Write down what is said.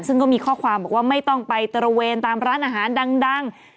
ซึ่งก็มีข้อความบอกว่าไม่ต้องไปตระเวนตามร้านอาหารดัง